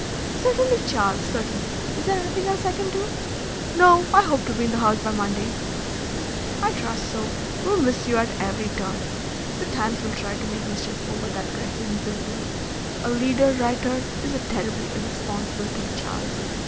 "Certainly, Charles, certainly. Is there anything else that I can do?" "No. I hope to be in the House by Monday." "I trust so. We miss you at every turn. The Times will try to make mischief over that Grecian business. A leader writer is a terribly irresponsible thing, Charles.